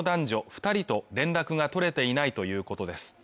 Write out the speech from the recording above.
二人と連絡が取れていないということです